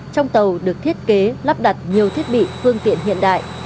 trong tàu được thiết kế lắp đặt nhiều thiết bị phương tiện hiện đại